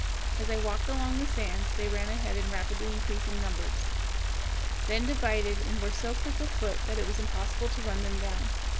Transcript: As I walked along the sands they ran ahead in rapidly increasing numbers, then divided and were so quick of foot that it was impossible to run them down.